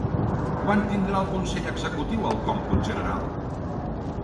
Quan tindrà el consell executiu el còmput general?